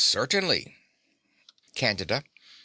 Certainly. CANDIDA.